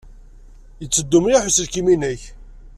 Yetteddu mliḥ uselkim-nnek?